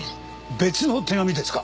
別の手紙ですか？